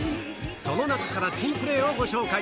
その中から珍プレーをご紹介。